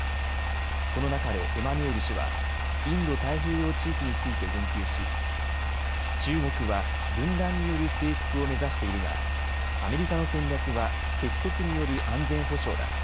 この中でエマニュエル氏はインド太平洋地域について言及し、中国は分断による征服を目指しているがアメリカの戦略は結束による安全保障だ。